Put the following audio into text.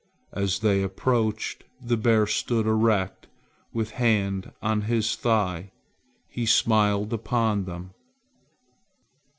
As they approached, the bear stood erect with a hand on his thigh. He smiled upon them.